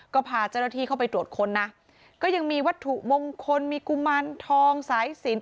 ก็พาเจ้าหน้าที่เข้าไปตรวจค้นนะก็ยังมีวัตถุมงคลมีกุมารทองสายสิน